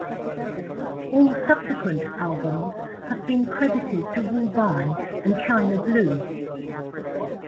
All subsequent albums have been credited to Wu Bai and China Blue.